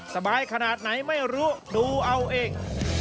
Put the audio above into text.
สบายขนาดไหนไม่รู้ดูเอาเอง